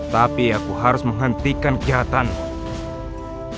tapi aku harus menghentikan kejahatanmu